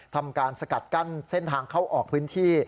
ทำการสกัดกั้นเส้นทางเข้าออกพื้นที่